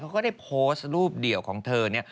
เขาก็ได้โพสรูปเดียวของเธอนี่